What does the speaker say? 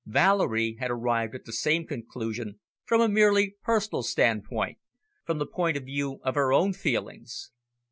Valerie had arrived at the same conclusion from a merely personal standpoint from the point of view of her own feelings.